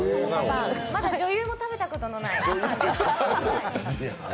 まだ女優も食べたことない。